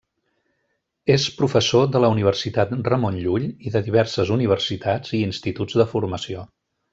És professor de la Universitat Ramon Llull i de diverses universitats i instituts de formació.